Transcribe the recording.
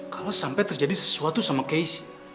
kalau sampai terjadi sesuatu sama kais